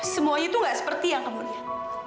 semuanya tuh gak seperti yang kamu lihat